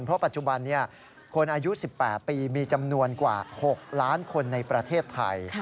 เพราะปัจจุบันนี้คนอายุ๑๘ปีมีจำนวนกว่า๖ล้านคนในประเทศไทย